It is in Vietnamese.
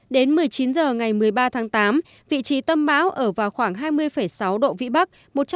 đến một mươi chín h ngày một mươi ba tháng tám vị trí tâm bão ở vào khoảng hai mươi sáu độ vĩ bắc